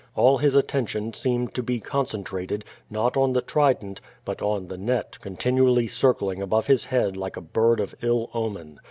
All his attention seemed to be concentrated, not on the trident, but on the net continually circling above his head like a bird of ill omen.